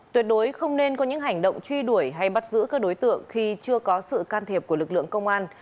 tuyệt đối không nên có những hành động truy đuổi hay bắt giữ các đối tượng khi chưa có sự can thiệp của lực lượng công an